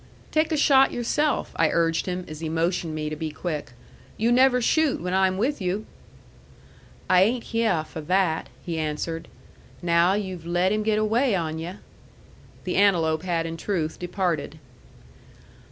"Take a shot yourself," I urged him, as he motioned me to be quick. "You never shoot when I'm with you." "I ain't hyeh for that," he answered. "Now you've let him get away on yu'!" The antelope had in truth departed.